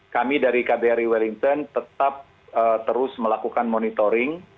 kami dari kbri wellington tetap terus melakukan monitoring